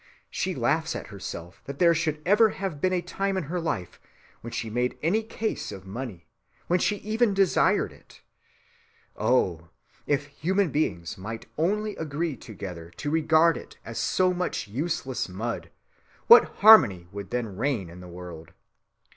She laughs at herself that there should ever have been a time in her life when she made any case of money, when she ever desired it.... Oh! if human beings might only agree together to regard it as so much useless mud, what harmony would then reign in the world!